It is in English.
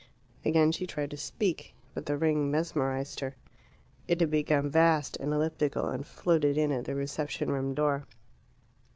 Again she tried to speak. But the ring mesmerized her. It had become vast and elliptical, and floated in at the reception room door.